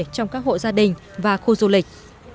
trong các hộ gia đình và khu du lịch